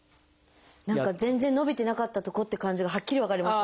何か全然伸びてなかったとこって感じがはっきり分かりますね。